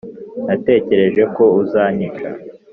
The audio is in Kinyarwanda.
natekereje ko uzanyica ...